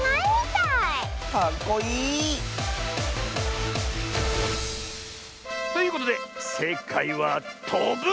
かっこいい。ということでせいかいはとぶ！